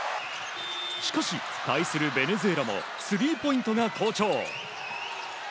しかし、対するベネズエラもスリーポイントが好調。